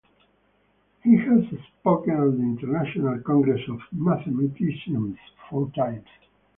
He has spoken at the International Congress of Mathematicians four times.